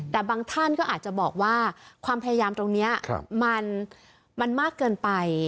แต่บางท่านก็อาจจะบอกว่าความพยายามตรงนี้มันมากเกินไป